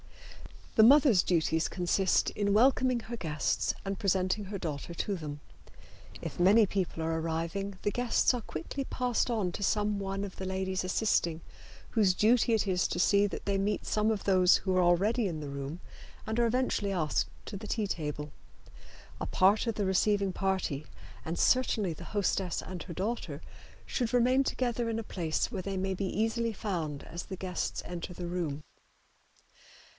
The mother's duties consist in welcoming her guests and presenting her daughter to them. If many people are arriving the guests are quickly passed on to some one of the ladies assisting, whose duty it is to see that they meet some of those who are already in the room and are eventually asked to the tea table. A part of the receiving party, and certainly the hostess and her daughter, should remain together in a place where they may be easily found as the guests enter the room.